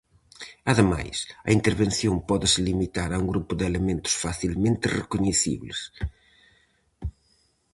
Ademais, a intervención pódese limitar a un grupo de elementos facilmente recoñecibles.